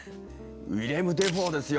ウィレム・デフォーですよ！